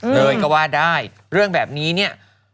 เธอก็ว่าได้